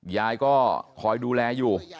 ยายก็คอยดูแลอยู่